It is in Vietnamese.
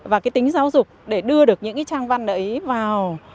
và cái tính giáo dục để đưa được những cái trang văn đấy vào